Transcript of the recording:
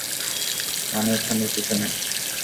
মানে, থানার পিছনে।